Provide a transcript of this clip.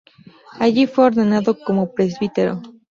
Allí fue ordenado como presbítero.